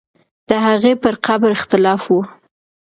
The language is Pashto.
د هغې پر قبر اختلاف وو.